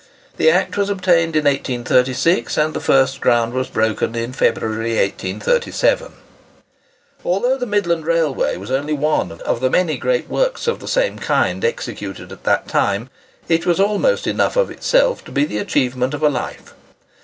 The Act was obtained in 1836, and the first ground was broken in February, 1837. Although the Midland Railway was only one of the many great works of the same kind executed at that time, it was almost enough of itself to be the achievement of a life.